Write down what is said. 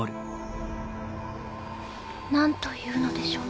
何というのでしょう。